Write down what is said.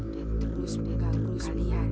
dan terus menganggap kepercayaanku